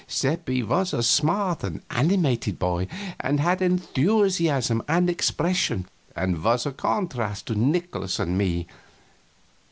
Seppi was a smart and animated boy, and had enthusiasm and expression, and was a contrast to Nikolaus and me.